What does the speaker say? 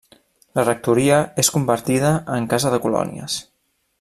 La rectoria és convertida en casa de colònies.